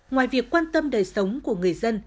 ngoài việc quan tâm đời sống của người dân